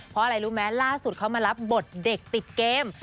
เพราะอะไรรู้ไหมล่าสุดเขามารับบทเด็กติดเกม